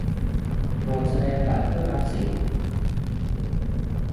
โปรดแสดงบัตรเพื่อรับสิทธิ์